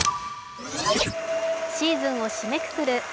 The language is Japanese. シーズンを締めくくる